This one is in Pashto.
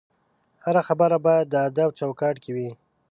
هره خبره باید د ادب چوکاټ کې وي